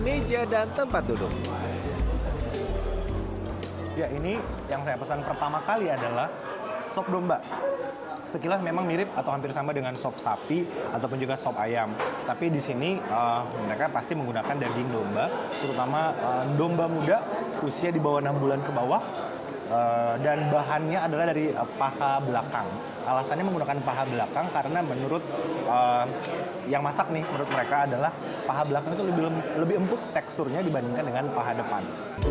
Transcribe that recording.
menurut mereka adalah paha belakang itu lebih empuk teksturnya dibandingkan dengan paha depan